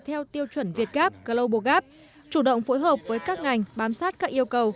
theo tiêu chuẩn việt gap global gap chủ động phối hợp với các ngành bám sát các yêu cầu